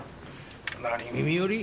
何耳寄り？